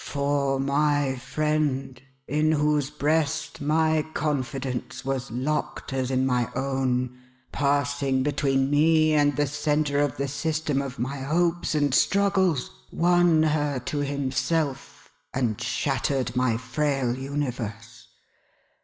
" For my friend (in whose breast my confidence was locked as in my own), passing between me and the centre of the system of my hopes and struggles, won her to himself, and shattered my frail universe.